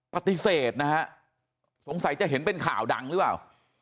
ปฏิเสธนะฮะสงสัยจะเห็นเป็นข่าวดังหรือเปล่า